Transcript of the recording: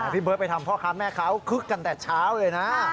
พี่เบิร์ตไปทำพ่อค้าแม่เขาคึกกันแต่เช้าเลยนะ